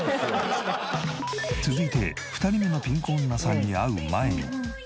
続いて２人目のピンク女さんに会う前に。